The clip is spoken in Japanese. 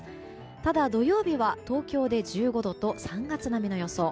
ただ、土曜日は東京で１５度と３月並みの予想。